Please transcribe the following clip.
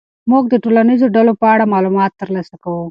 موږ د ټولنیزو ډلو په اړه معلومات ترلاسه کوو.